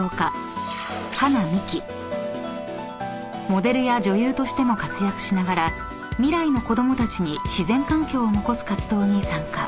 ［モデルや女優としても活躍しながら未来の子供たちに自然環境を残す活動に参加］